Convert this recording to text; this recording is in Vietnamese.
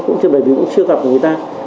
cũng chưa bởi vì cũng chưa gặp người ta